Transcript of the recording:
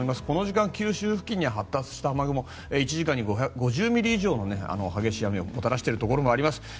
この時間、九州付近に発達した雨雲１時間に５０ミリ以上の激しい雨をもたらしているところもあります。